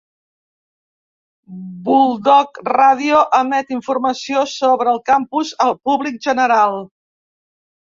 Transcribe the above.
Bulldog Radio emet informació sobre el campus al públic general.